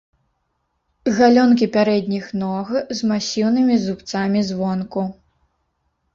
Галёнкі пярэдніх ног з масіўнымі зубцамі звонку.